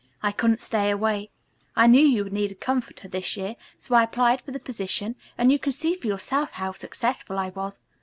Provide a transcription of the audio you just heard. "I couldn't stay away. I knew you'd need a comforter this year, so I applied for the position and you can see for yourself how successful I was.